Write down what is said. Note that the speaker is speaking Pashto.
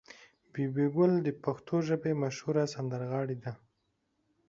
بي بي ګل د پښتو ژبې مشهوره سندرغاړې ده.